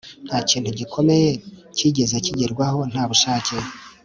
Nta kintu gikomeye cyigeze kigerwaho nta bushake